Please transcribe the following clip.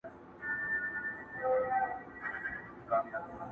جهاني زما چي په یادیږي دا جنت وطن وو٫